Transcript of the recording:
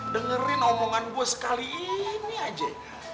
dengerin omongan gue sekali ini aja